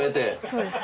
そうです。